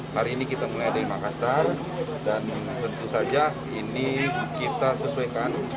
hari ini kita mulai dari makassar dan tentu saja ini kita sesuaikan